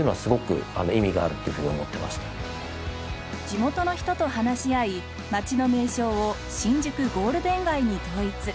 地元の人と話し合い街の名称を新宿ゴールデン街に統一。